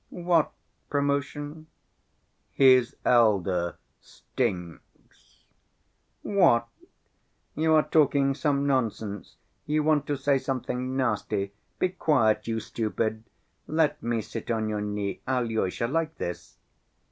"What promotion?" "His elder stinks." "What? You are talking some nonsense, you want to say something nasty. Be quiet, you stupid! Let me sit on your knee, Alyosha, like this."